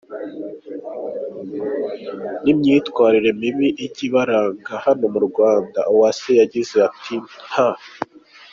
n’imyitwarire mibi ijya ibaranga hano mu Rwanda, Uwase yagize ati : "Nta.